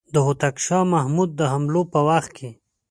د هوتک شاه محمود د حملو په وخت کې.